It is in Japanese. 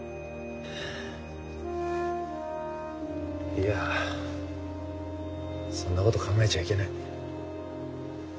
いやそんなこと考えちゃいけない。